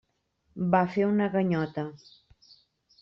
Va fer una ganyota.